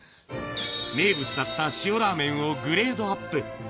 名物だった塩ラーメンをグレードアップ。